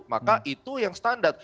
maka itu yang standar